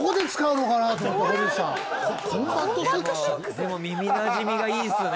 でも耳なじみがいいっすね。